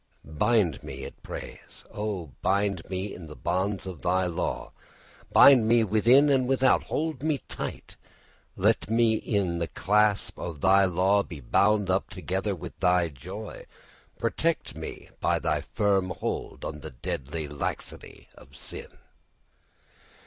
] "Bind me," it prays, "oh, bind me in the bonds of thy law; bind me within and without; hold me tight; let me in the clasp of thy law be bound up together with thy joy; protect me by thy firm hold from the deadly laxity of sin."